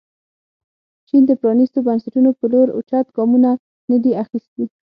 چین د پرانیستو بنسټونو په لور اوچت ګامونه نه دي اخیستي.